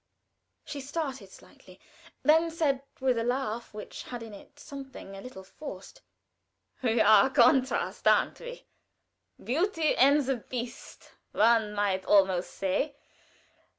She started slightly; then said, with a laugh which had in it something a little forced: "We are a contrast, aren't we? Beauty and the Beast, one might almost say.